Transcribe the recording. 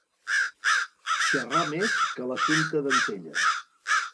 Xerrar més que l'Assumpta d'Antella.